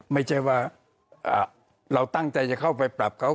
ไม่ใช่ว่าเราตั้งใจจะเข้าไปปรับเขา